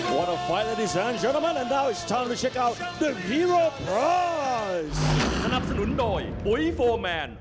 ของคุณสาวบูยิโฟแมนบูยิโฟแมน